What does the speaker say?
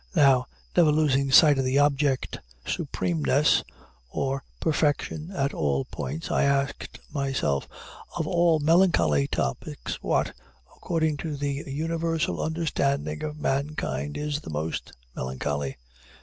Now, never losing sight of the object supremeness, or perfection, at all points, I asked myself "Of all melancholy topics, what, according to the universal understanding of mankind, is the most melancholy?"